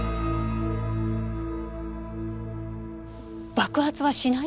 爆発はしない？